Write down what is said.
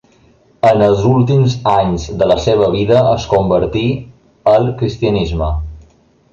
En els últims anys de la seva vida es convertí al cristianisme.